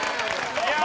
いや！